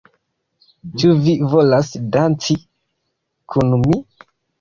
Ĉu vi volas danci kun mi?